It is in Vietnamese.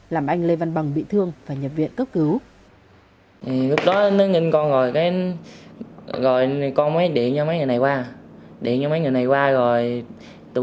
làm anh lê văn bằng bị thương và nhập viện cấp cứu